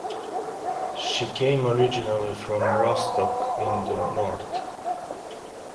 She came originally from Rostock in the north.